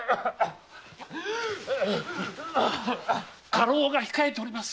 家老が控えております。